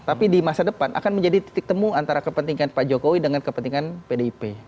tapi di masa depan akan menjadi titik temu antara kepentingan pak jokowi dengan kepentingan pdip